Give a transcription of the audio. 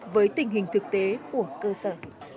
với tình hình thực tế của cơ sở